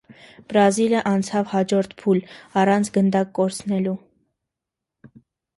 Պրազիլը անցաւ յաջորդ փուլ առանց գնդակ կորսնցնելու։